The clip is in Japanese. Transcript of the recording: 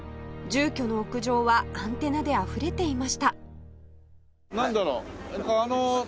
住居の屋上はアンテナであふれていましたなんだろう？